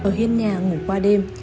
ở hiên nhà ngủ qua đêm